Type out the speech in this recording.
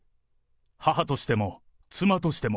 母としても、妻としても、